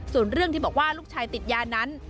ส่วนเรื่องที่บอกว่าลูกชายติดยานั้น